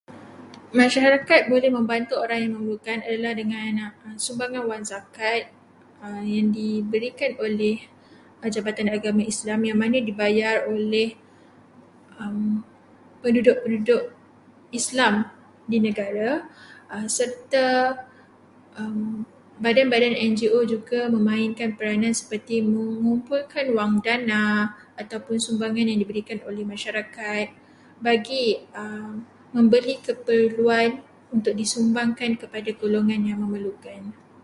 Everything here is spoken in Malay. Masyarakat boleh membantu orang yang memerlukan adalah dengan sumbangan wang zakat yang diberikan oleh jabatan agama Islam, yang mana dibayar oleh penduduk-penduduk Islam di negara, serta badan-badan NGO juga memainkan peranan seperti mengumpulkan wang dana ataupun sumbangan yang diberikan oleh masyarakat bagi membeli keperluan untuk disumbangkan kepada golongan yang memerlukan.